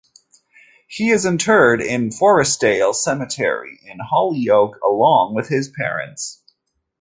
He is interred in Forestdale Cemetery in Holyoke along with his parents.